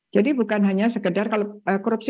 jadi bukan hanya sekedar korupsi